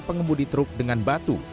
pengemudi truk dengan batu